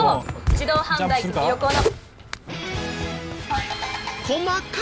自動販売機の横の。